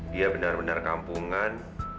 dia benar benar kampungan